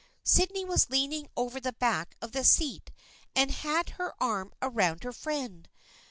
Sydney was leaning over the back of the seat and had her arm around her friend.